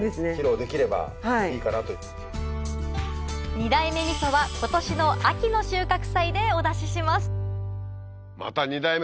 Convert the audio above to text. ２代目みそは今年の秋の収穫祭でお出ししますまた。